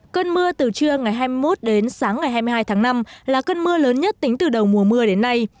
cơn mưa từ trưa ngày hai mươi một đến sáng ngày hai mươi hai tháng năm là cơn mưa lớn nhất tính từ đầu mùa mưa đến nay